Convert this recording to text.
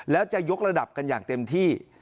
แล้วจะยกระดับกันอย่างเต็มที่